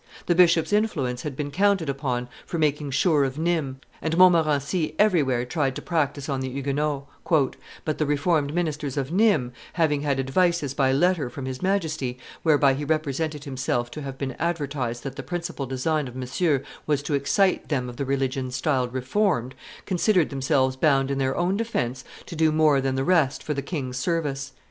The bishop's influence had been counted upon for making sure of Nimes, and Montmorency everywhere tried to practise on the Huguenots; "but the Reformed ministers of Nimes, having had advices by letter from his Majesty, whereby he represented himself to have been advertised that the principal design of Monsieur was to excite them of the religion styled Reformed, considered themselves bound in their own defence to do more than the rest for the king's service.